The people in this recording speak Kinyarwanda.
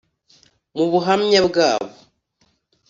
Mu buhamya bwabo